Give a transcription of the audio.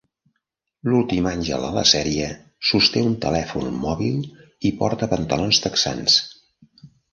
L'últim àngel a la sèrie sosté un telèfon mòbil i porta pantalons texans.